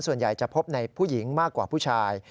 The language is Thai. ส่วนใหญ่จะพบในผู้หญิงมากกว่าผู้ชาย